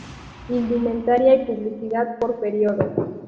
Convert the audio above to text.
Indumentaria y publicidad por período